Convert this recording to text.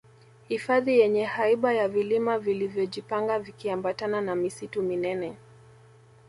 hifadhi yenye haiba ya vilima vilivyo jipanga vikiambatana na misitu minene